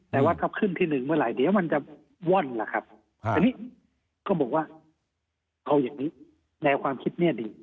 แต่ว่าถ้าขึ้นที่หนึ่งเมื่อไหร่เดี๋ยวมันจะว่อนล่ะครับอันนี้ก็บอกว่าเอาอย่างนี้แนวความคิดเนี่ยดี